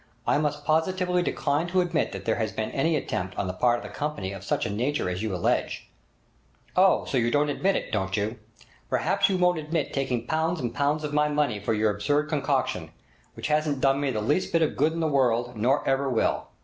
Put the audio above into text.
I must positively decline to admit that there has been any attempt on the part of the company of such a nature as you allege.' 'Oh! so you don't admit it, don't you? Perhaps you won't admit taking pounds and pounds of my money for your absurd concoction, which hasn't done me the least little bit of good in the world—nor ever will!